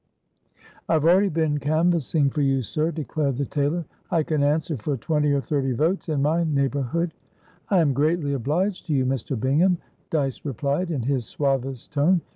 "I have already been canvassing for you, sir," declared the tailor. "I can answer for twenty or thirty votes in my neighbourhood" "I am greatly obliged to you, Mr. Bingham," Dyce replied, in his suavest tone.